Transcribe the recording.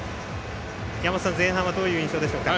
山本さん、前半はどういう印象でしょうか。